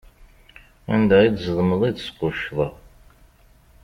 Anda i d-zedmeḍ, i d-squcceḍeɣ.